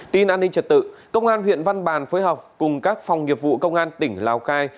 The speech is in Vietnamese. tin an ninh trật tự công an huyện văn bàn phối hợp cùng các phòng nghiệp vụ công an tỉnh lào cai